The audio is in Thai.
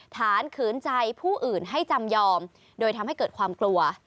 ขืนใจผู้อื่นให้จำยอมโดยทำให้เกิดความกลัว